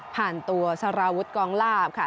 ตัวสารวุฒิกองลาบค่ะ